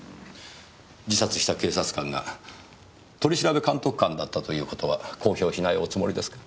自殺した警察官が取調監督官だったという事は公表しないおつもりですか？